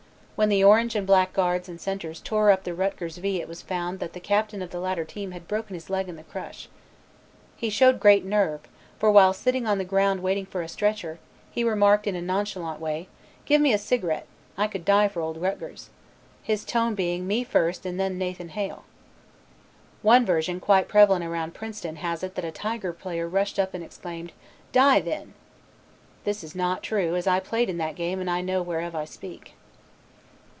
When the Orange and Black guards and centers tore up the Rutgers' V it was found that the Captain of the latter team had broken his leg in the crush. He showed great nerve, for while sitting on the ground waiting for a stretcher, he remarked in a nonchalant way, "Give me a cigarette. I could die for Old Rutgers," his tone being "Me first and then Nathan Hale." One version quite prevalent around Princeton has it that a Tiger player rushed up and exclaimed, "Die then." This is not true as I played in that game and know whereof I speak.